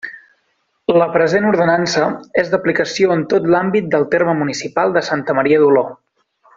La present Ordenança és d'aplicació en tot l'àmbit del terme municipal de Santa Maria d'Oló.